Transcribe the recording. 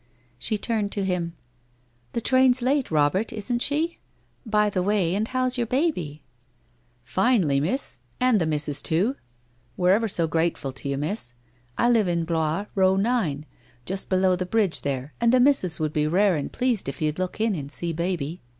She turned to him: 'The train's late, Robert, isn't she? By the way, and how's your baby ?' 1 Finely, Miss, and the missus, too. We're ever so grate * 234 WHITE ROSE OF WEARY LEAF ful to you, Miss. I live in Blois Row, No. 9 — just below the bridge there and the missus would be rare and pleased if you'd look in and see baby.